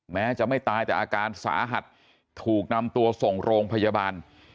แม้จะไม่ตายแต่อาการสาหัสถูกนำตัวส่งโรงพยาบาล